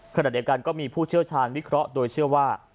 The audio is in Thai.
ขณะเดียวกันก็มีผู้เชี่ยวชาญวิเคราะห์โดยเชื่อว่า